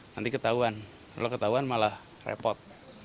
nanti ketahuan kalau ketahuan malah repot